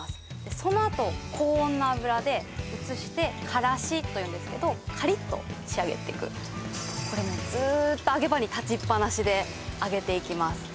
そのあと高温の油で移してからしというんですけどカリッと仕上げていくこれもうずっと揚げ場に立ちっぱなしで揚げていきます